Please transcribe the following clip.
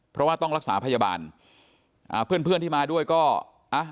เพราะว่าต้องรักษาพยาบาลอ่าเพื่อนเพื่อนที่มาด้วยก็อ่ะ